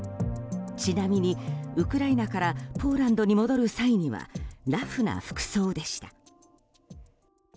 ちなみに、ウクライナからポーランドに戻る際にはラフな服装でした。